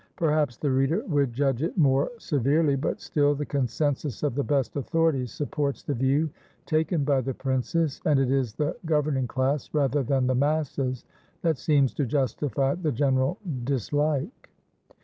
Perhaps the reader would judge it more severely; but still the consensus of the best authorities supports the view taken by the princess, and it is the governing class, rather than the masses, that seems to justify the general dislike.